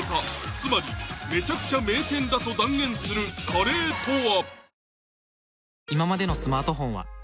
つまりめちゃくちゃ名店だと断言するカレーとは？